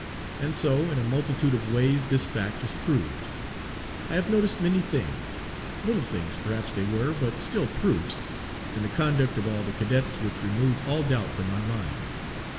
And so in a multitude of ways this fact is proved. I have noticed many things, little things perhaps they were, but still proofs, in the conduct of all the cadets which remove all doubt from my mind.